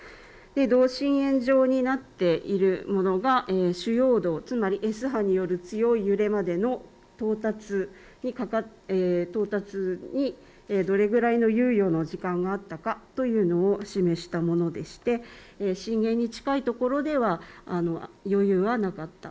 同心円状になっているものが主要動、つまりＳ波による強い揺れまでの到達にどれぐらいの猶予の時間があったかというのを示したものでして震源に近いところでは余裕はなかった。